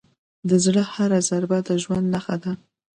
د زړه هره ضربه د ژوند نښه ده.